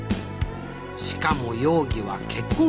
しかも容疑は結婚